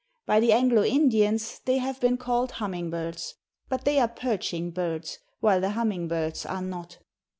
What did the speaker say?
By the Anglo Indians they have been called hummingbirds, but they are perching birds while the hummingbirds are not.